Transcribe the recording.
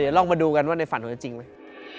เดี๋ยวลองมาดูกันว่าในฝันเขาจะจริงไหม